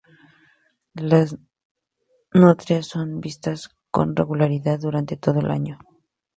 Las nutrias son vistas con regularidad durante todo el año.